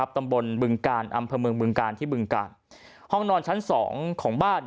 ตำบลบึงกาลอำเภอเมืองบึงกาลที่บึงกาลห้องนอนชั้นสองของบ้าน